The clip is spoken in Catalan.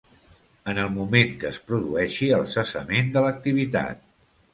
En el moment que es produeixi el cessament de l'activitat.